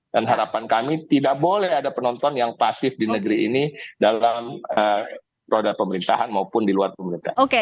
dan harapan kami tidak boleh ada penonton yang pasif di negeri ini dalam roda pemerintahan maupun di luar pemerintahan